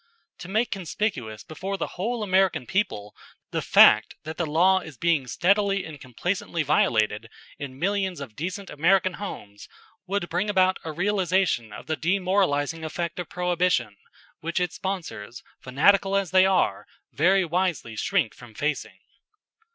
To make conspicuous before the whole American people the fact that the law is being steadily and complacently violated in millions of decent American homes would bring about a realization of the demoralizing effect of Prohibition which its sponsors, fanatical as they are, very wisely shrink from facing.